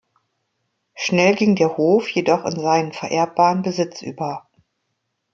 Schnell ging der Hof jedoch in seinen vererbbaren Besitz über.